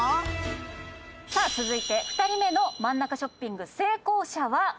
さあ続いて２人目の真ん中ショッピング成功者は。